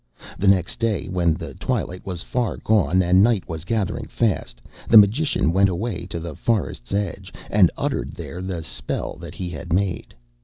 The next day, when the twilight was far gone and night was gathering fast, the magician went away to the forest's edge, and uttered there the spell that he had made.